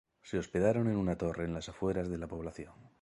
Se hospedaron en una torre en las afueras de la población.